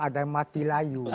ada yang mati layu